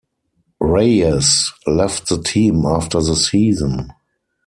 Reyes left the team after the season.